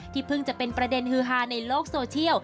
เพิ่งจะเป็นประเด็นฮือฮาในโลกโซเชียล